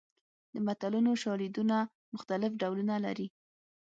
د متلونو شالیدونه مختلف ډولونه لري